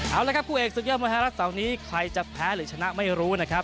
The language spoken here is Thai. เอาละครับคู่เอกศึกยอดมวยไทยรัฐเสาร์นี้ใครจะแพ้หรือชนะไม่รู้นะครับ